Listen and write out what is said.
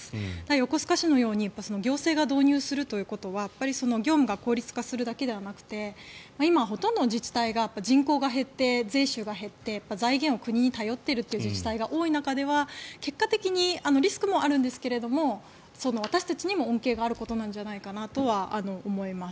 横須賀市のように行政が導入するということは業務が効率化するだけではなくて今、ほとんどの自治体が人口が減って、税収が減って財源を国に頼っているという自治体が多い中では結果的にリスクもあるんですが私たちにも恩恵があることなんじゃないかと思います。